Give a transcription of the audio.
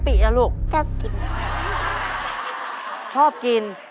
ตัวเลือกที่สอง๘คน